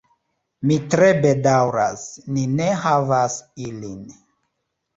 Mi tre bedaŭras, ni ne havas ilin.